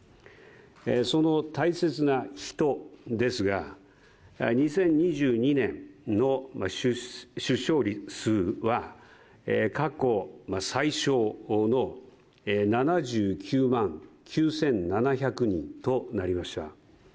その大切な人ですが、２０２２年の出生数は過去最少の７９万９７００人となりました。